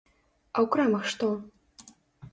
А ў крамах што?